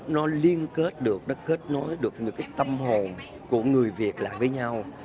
nó liên kết được nó kết nối được những cái tâm hồn của người việt lại với nhau